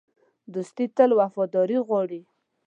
دوستي تل وفاداري غواړي.